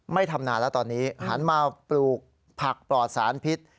ทำนานแล้วตอนนี้หันมาปลูกผักปลอดสารพิษ